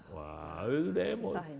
wah itu demo